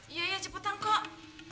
iya iya cepetan kok